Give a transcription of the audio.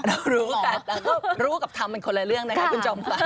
เรารู้ค่ะเราก็รู้กับทำเป็นคนละเรื่องนะคะคุณจอมฟัน